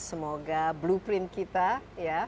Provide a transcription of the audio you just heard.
semoga blueprint kita ya